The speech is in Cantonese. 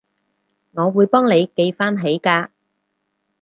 我會幫你記返起㗎